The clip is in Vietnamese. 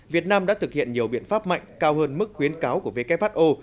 việt nam đã thực hiện nhiều biện pháp mạnh cao hơn mức khuyến cáo của who